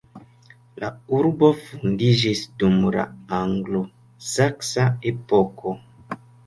La urbo fondiĝis dum la anglosaksa epoko.